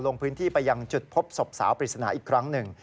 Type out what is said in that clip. ลงพื้นที่ไปยังจุดพบศพสาวปริศนาอีกครั้งหนึ่ง